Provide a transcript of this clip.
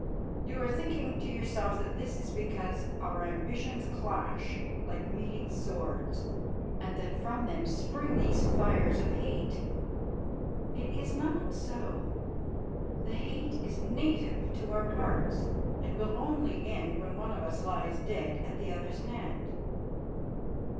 You are thinking to yourself that this is because our ambitions clash like meeting swords, and that from them spring these fires of hate. It is not so. The hate is native to our hearts, and will only end when one of us lies dead at the other's hand."